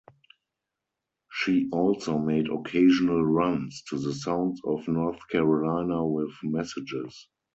She also made occasional runs to the sounds of North Carolina with messages.